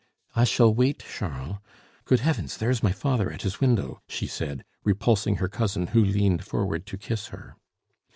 "I shall wait, Charles Good heavens! there is my father at his window," she said, repulsing her cousin, who leaned forward to kiss her.